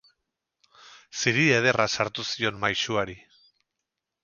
Ziri ederra sartu zion maisuari.